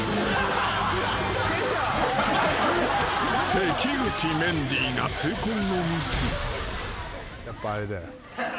［関口メンディーが痛恨のミス］